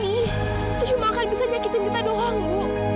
kita cuma akan bisa nyakitin kita doang bu